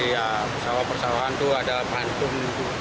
jadi persawahan persawahan itu ada pantun